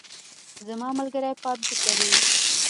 زما ملګری پابجي کوي